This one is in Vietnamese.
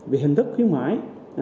về hình thức khuyến mãi